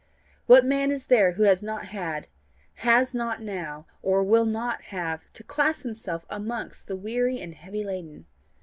What man is there who has not had, has not now, or will not have to class himself amongst the weary and heavy laden?